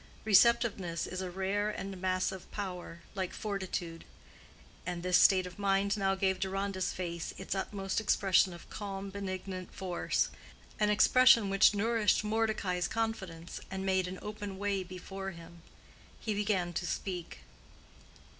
Receptiveness is a rare and massive power, like fortitude; and this state of mind now gave Deronda's face its utmost expression of calm benignant force—an expression which nourished Mordecai's confidence and made an open way before him. He began to speak.